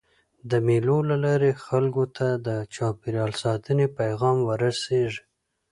د مېلو له لاري خلکو ته د چاپېریال ساتني پیغام وررسېږي.